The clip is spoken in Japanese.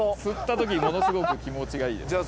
吸った時にものすごく気持ちがいいです。